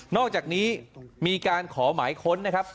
อกจากนี้มีการขอหมายค้นนะครับ